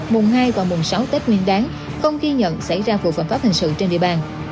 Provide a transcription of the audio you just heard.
mùa hai và mùa sáu tết nguyên đáng không ghi nhận xảy ra vụ phản pháp hình sự trên địa bàn